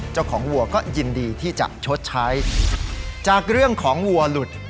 วัวก็ยินดีที่จะชดใช้จากเรื่องของวัวหลุด